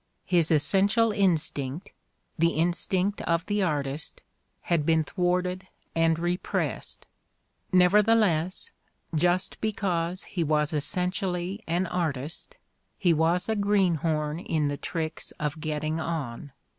His essential instinct, the instinct of the artist, had been thwarted and repressed. Nevertheless, just because he was es sentially an artist, he was a greenhorn in the tricks of getting on.